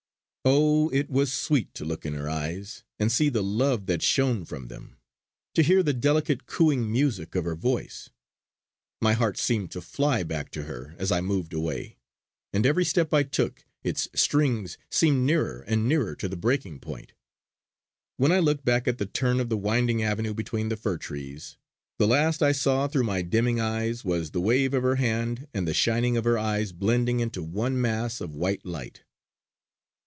Oh! it was sweet to look in her eyes, and see the love that shone from them; to hear the delicate cooing music of her voice. My heart seemed to fly back to her as I moved away; and every step I took, its strings seemed nearer and nearer to the breaking point. When I looked back at the turn of the winding avenue between the fir trees, the last I saw through my dimming eyes was the wave of her hand and the shining of her eyes blending into one mass of white light.